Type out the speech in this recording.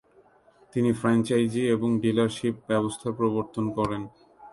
তিনি ফ্র্যাঞ্চাইজি এবং ডিলারশিপ ব্যাবস্থার প্রবর্তন করেন।